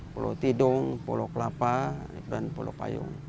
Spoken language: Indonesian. pulau tidung pulau kelapa dan pulau payung